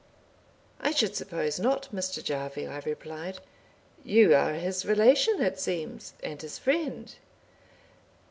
"I should suppose not, Mr. Jarvie," I replied; "you are his relation, it seems, and his friend."